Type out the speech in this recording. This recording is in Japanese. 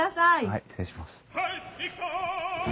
はい失礼します。